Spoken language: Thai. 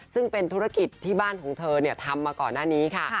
ซึ่งเป็นธุรกิจที่บ้านของเธอทำมาก่อนหน้านี้ค่ะ